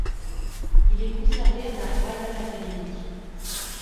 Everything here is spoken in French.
Il est conservé à la Royal Academy.